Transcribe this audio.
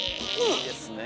いいですね。